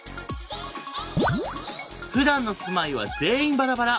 ふだんの住まいは全員バラバラ。